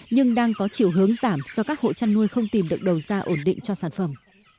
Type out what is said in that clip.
nhưng đang có chiều hướng giảm do các hộ chăn nuôi không tìm được đầu ra ổn định cho sản phẩm